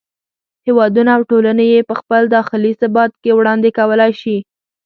هېوادونه او ټولنې یې په خپل داخلي ثبات کې وړاندې کولای شي.